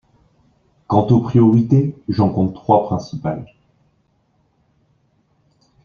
Quant aux priorités, j’en compte trois principales.